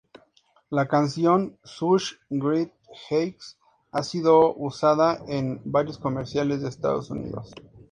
La canción "Such Great Heights" ha sido usada en varios comerciales de Estados Unidos.